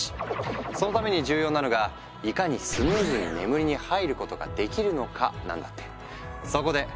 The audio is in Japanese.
そのために重要なのがいかにスムーズに眠りに入ることができるのかなんだって。